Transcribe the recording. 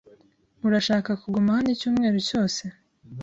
Urashaka kuguma hano icyumweru cyose?